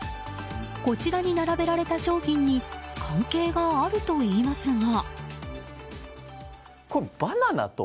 こちらに並べられた商品に関係があるといいますが。